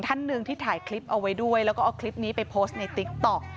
ท่านหนึ่งที่ถ่ายคลิปเอาไว้ด้วยแล้วก็เอาคลิปนี้ไปโพสต์ในติ๊กต๊อก